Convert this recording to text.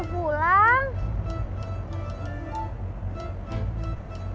dia pulang sendirian